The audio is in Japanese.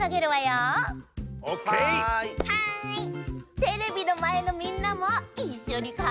テレビのまえのみんなもいっしょにかんがえてね。